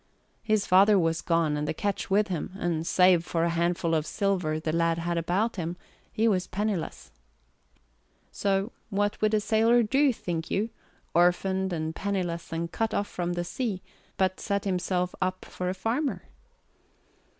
His father was gone and the ketch with him, and, save for a handful of silver the lad had about him, he was penniless. So what would a sailor do, think you, orphaned and penniless and cut off from the sea, but set himself up for a farmer?